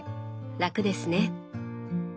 楽ですね。